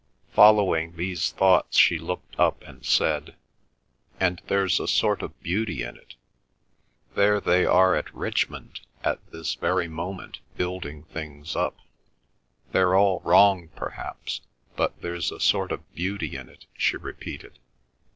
Following these thoughts she looked up and said: "And there's a sort of beauty in it—there they are at Richmond at this very moment building things up. They're all wrong, perhaps, but there's a sort of beauty in it," she repeated.